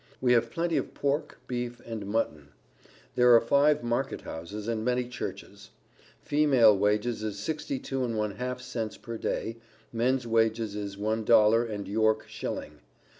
We have plenty of pork, beef and mutton. There are five market houses and many churches. Female wages is 62 1/2 cents per day, men's wages is $1 and york shilling.